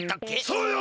そうよ！